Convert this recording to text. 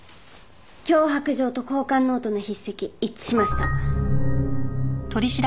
脅迫状と交換ノートの筆跡一致しました。